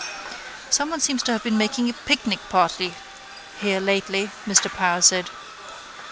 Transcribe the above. —Someone seems to have been making a picnic party here lately, Mr Power said.